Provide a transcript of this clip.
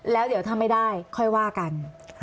แล้วถ้าไม่ได้ค่อยว่ากัน